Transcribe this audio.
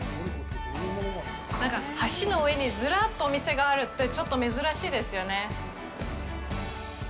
なんか、橋の上にずらっとお店があるってちょっと珍しいですよね。